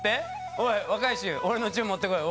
おい若い衆俺の銃持ってこい」。